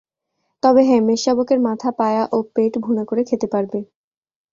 তবে হ্যাঁ, মেষশাবকের মাথা, পায়া ও পেট ভুনা করে খেতে পারবে।